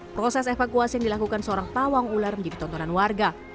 proses evakuasi yang dilakukan seorang pawang ular menjadi tontonan warga